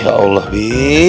ya allah bi